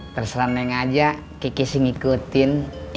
terserah neng aja kiki sing ikutin